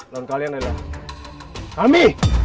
lawan kalian adalah kami